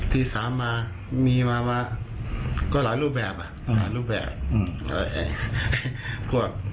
ที่สามมีมาก็หลายรูปแบบ